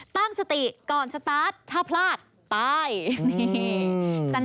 ตั้งสติก่อนสตาร์ทถ้าพลาดตายนี่